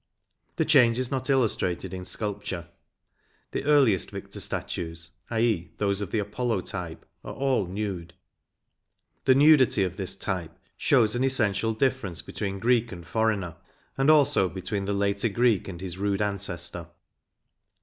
2 The change is not illustrated in sculpture. The earliest victor statues, i. e.y those of the "Apollo" type, are all nude. The nudity of this type shows an essential difference between Greek and foreigner and also between the later Greek and his rude ancestor.